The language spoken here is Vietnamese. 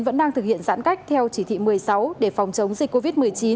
vẫn đang thực hiện giãn cách theo chỉ thị một mươi sáu để phòng chống dịch covid một mươi chín